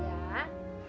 selamat malam tante